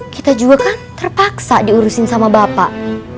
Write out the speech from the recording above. kita juga kan terpaksa diurusin sama bapak